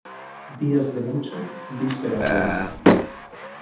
Días de mucho, vísperas de nada.